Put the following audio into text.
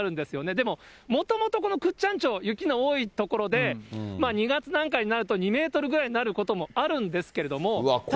でも、もともとこの倶知安町、雪の多い所で、２月なんかになると２メートルぐらいになることもあるんです